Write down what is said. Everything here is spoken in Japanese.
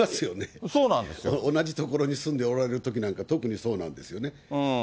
同じ所に住んでおられるときなんか特にそうなんですよね。